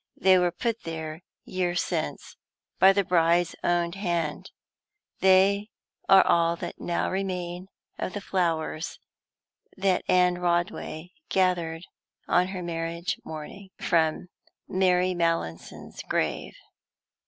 They were put there, years since, by the bride's own hand: they are all that now remain of the flowers that Anne Rodway gathered on her marriage morning from Mary Mallinson's grave."